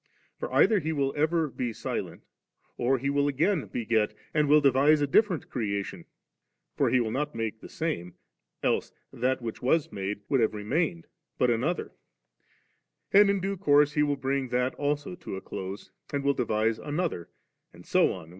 For either He will ever be silent, or He will again beget, and will devise a different creation (for He will not make the same, else that which was made would have remained, but another) ; and in due course He will bring that also to a close, and will devise another, and so on without end 7.